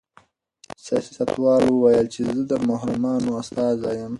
سیاستوال وویل چې زه د محرومانو استازی یم.